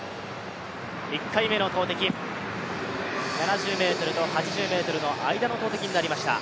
１回目の投てき、７０ｍと８０ｍの間の投てきになりました。